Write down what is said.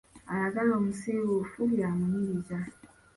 Ayagala omusiiwuufu, yamunyiriza.